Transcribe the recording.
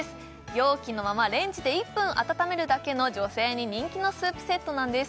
容器のままレンジで１分温めるだけの女性に人気のスープセットなんです